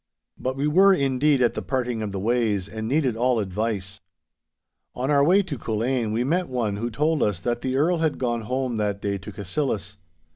But we were, indeed, at the parting of the ways, and needed all advice. On our way to Culzean we met one who told us that the Earl had gone home that day to Cassillis.